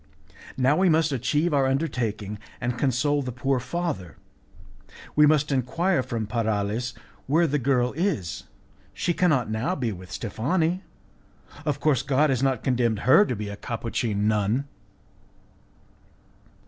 Now we must achieve our undertaking, and console the poor father. We must enquire from Paralis where the girl is. She cannot now be with Steffani. Of course, God has not condemned her to become a Capuchin nun."